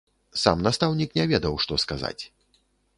Сам настаўнік не ведаў, што сказаць.